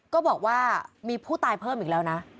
ก็บอกว่ามีผู้ตายเพิ่มอีกแล้วนะ